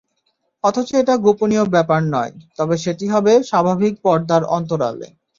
অথচ এটা গোপনীয় ব্যাপার নয়, তবে সেটি হবে স্বাভাবিক পর্দার অন্তরালে।